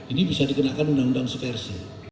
ini bisa dikenakan undang undang seversi